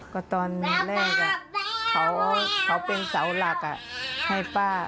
ก็ตอนแรกเขาเป็นเสาหลักให้ป้า